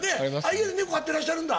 家で猫飼ってらっしゃるんだ？